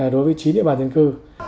đối với trí địa bàn dân cư